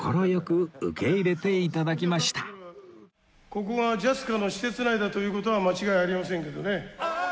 ここがＪＡＳＣＡの施設内だという事は間違いありませんけどね。